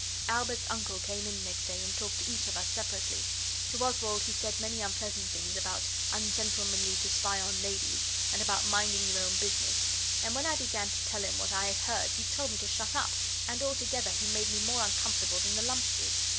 Albert's uncle came in next day and talked to each of us separately. To Oswald he said many unpleasant things about ungentlemanly to spy on ladies, and about minding your own business; and when I began to tell him what I had heard he told me to shut up, and altogether he made me more uncomfortable than the bump did.